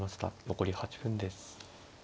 残り８分です。